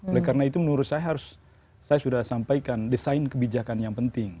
oleh karena itu menurut saya harus saya sudah sampaikan desain kebijakan yang penting